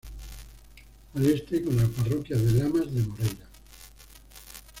Al este, con la parroquia de Lamas de Moreira.